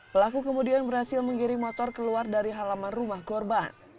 pelaku kemudian berhasil menggiri motor keluar dari halaman rumah korban